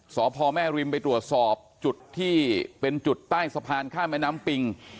สพแม่ริมไปตรวจสอบจุดที่เป็นจุดใต้สะพานข้ามแม่น้ำปิง